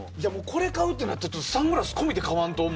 これ買うってなったらサングラス込みで買わんと。